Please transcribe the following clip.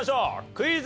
クイズ。